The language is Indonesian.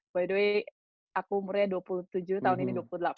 by the way aku umurnya dua puluh tujuh tahun ini dua puluh delapan